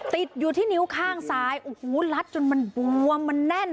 ติดอยู่ที่นิ้วข้างซ้ายโอ้โหลัดจนมันบวมมันแน่น